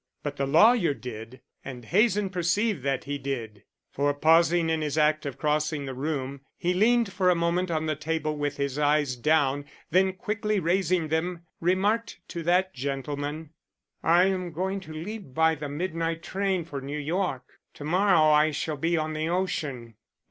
But the lawyer did and Hazen perceived that he did, for pausing in his act of crossing the room, he leaned for a moment on the table with his eyes down, then quickly raising them remarked to that gentleman: "I am going to leave by the midnight train for New York. To morrow I shall be on the ocean.